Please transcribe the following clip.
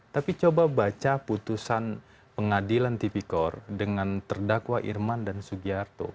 tapi coba baca putusan pengadilan tipikor dengan terdakwa irman dan sugiharto